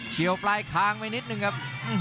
ี่ยวปลายคางไปนิดนึงครับ